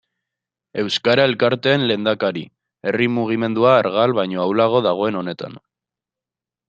Euskara elkarteen lehendakari, herri mugimendua argal baino ahulago dagoen honetan.